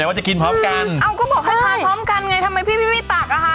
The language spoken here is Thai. ว่าจะกินพร้อมกันเอ้าก็บอกให้ทาพร้อมกันไงทำไมพี่ไม่มีตักอ่ะคะ